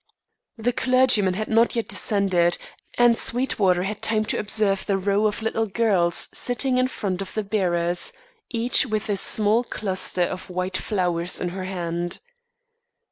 The clergyman had not yet descended, and Sweetwater had time to observe the row of little girls sitting in front of the bearers, each with a small cluster of white flowers in her hand.